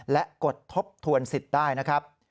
และกดทบทวนสิทธิ์ได้นะครับ